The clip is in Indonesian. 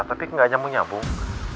tapi gak nyamuk nyampung